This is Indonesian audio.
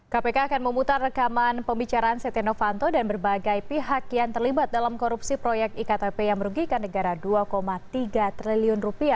kpk akan memutar rekaman pembicaraan setia novanto dan berbagai pihak yang terlibat dalam korupsi proyek iktp yang merugikan negara rp dua tiga triliun